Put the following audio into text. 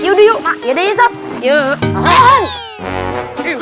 yuk yuk ya sob